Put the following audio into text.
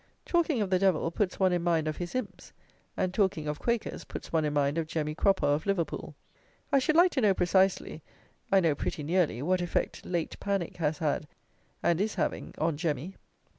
Talking of the Devil, puts one in mind of his imps; and talking of Quakers, puts one in mind of Jemmy Cropper of Liverpool. I should like to know precisely (I know pretty nearly) what effect "late panic" has had, and is having, on Jemmy!